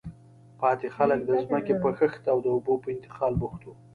پاتې خلک د ځمکې په کښت او د اوبو په انتقال بوخت وو.